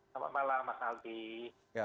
selamat malam mas aldi